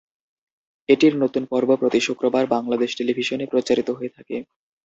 এটির নতুন পর্ব প্রতি শুক্রবার বাংলাদেশ টেলিভিশনে প্রচারিত হয়ে থাকে।